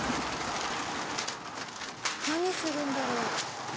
何するんだろう？